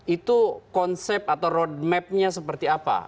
itu konsep atau road mapnya seperti apa